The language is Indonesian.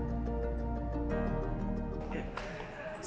pembatasan jumlah penumpang di indonesia